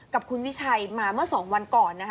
กับคุณวิชัยมาเมื่อ๒วันก่อน